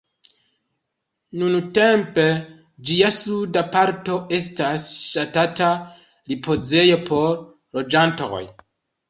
Nuntempe ĝia suda parto estas ŝatata ripozejo por loĝantoj.